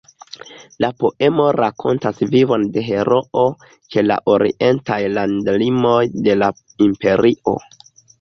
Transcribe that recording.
La poemo rakontas vivon de heroo ĉe la orientaj landlimoj de la Imperio.